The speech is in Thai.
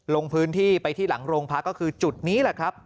ลงพื้นที่ไปที่หลังโรงพักก็คือจุดนี้แหละครับ